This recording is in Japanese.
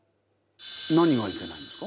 何がいけないんですか？